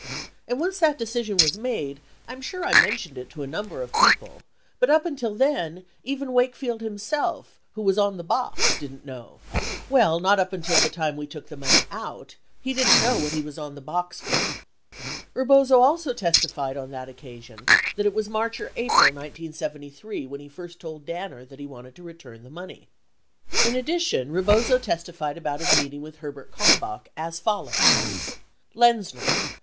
And once that decision was made, I'm sure I mentioned it to a number of people, but up until then, even Wakefield himself who was on the box didn't know, well not up until the time we took the money out he didn't know what he was on that box for." 36 Eebozo also testified on that occasion that it was March or April 1973 when he first told Danner that he wanted to return the money. In addition, Eebozo testified about his meeting with Herbert Kalm bach as follows: Lenzner.